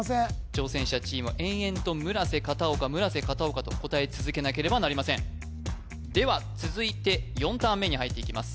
挑戦者チームは延々と村瀬片岡村瀬片岡と答え続けなければなりませんでは続いて４ターン目に入っていきます